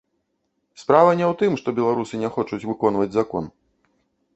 Справа не ў тым, што беларусы не хочуць выконваць закон.